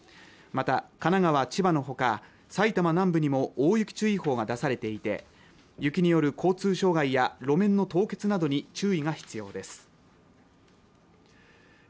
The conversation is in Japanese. また神奈川千葉のほか埼玉南部にも大雪注意報が出されていて雪による交通障害や路面の凍結などに注意が必要です